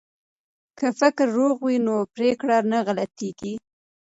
که فکر روغ وي نو پریکړه نه غلطیږي.